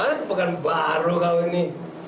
kemana ke pekanbaru kau ini